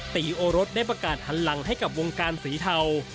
ตีโอรสได้ประกาศหันหลังให้กับวงการสีเทา